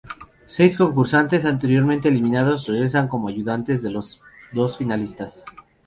Seis concursantes anteriormente eliminados regresan como ayudantes de los dos finalistas.